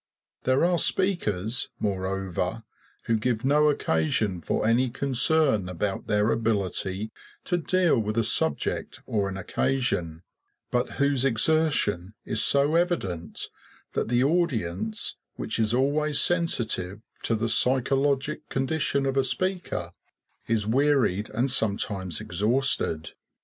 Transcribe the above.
There are speakers, moreover, who give no occasion for any concern about their ability to deal with a subject or an occasion, but whose exertion is so evident that the audience, which is always sensitive to the psychologic condition of a speaker, is wearied and sometimes exhausted.